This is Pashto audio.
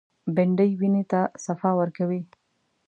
بېنډۍ وینې ته صفا ورکوي